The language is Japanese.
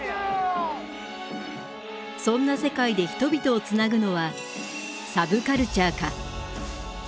そんな世界で人々をつなぐのはサブカルチャーか？